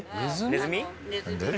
ネズミ？